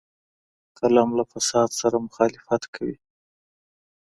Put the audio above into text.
قلم له فساد سره مخالفت کوي